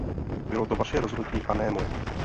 Bylo to vaše rozhodnutí a ne moje!